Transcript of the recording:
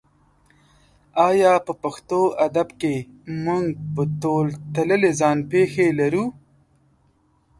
ایا په پښتو ادب کې موږ په تول تللې ځان پېښې لرو؟